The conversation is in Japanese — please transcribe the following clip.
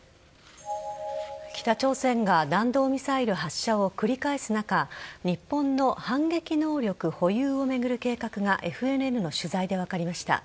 北朝鮮が弾道ミサイル発射を繰り返す中日本の反撃能力保有を巡る計画がＦＮＮの取材で分かりました。